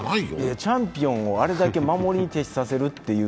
チャンピオンをあれだけ守りに徹しさせるっていう